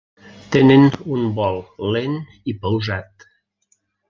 Tenen un vol lent i pausat.